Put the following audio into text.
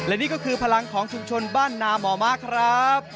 และนี่ก็คือพลังของชุมชนบ้านนาหมอม้าครับ